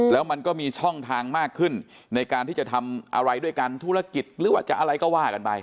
แล้วมันก็มีช่องทางมากขึ้นในการที่จะทำอะไรด้วยกันธุรกิจหรือว่าจะอะไรก็ว่ากันไป